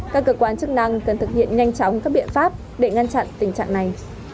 các cơ quan chức năng cần thực hiện nhanh chóng các biện pháp để ngăn chặn tình trạng này